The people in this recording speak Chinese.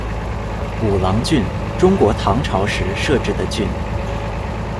武郎郡，中国唐朝时设置的郡。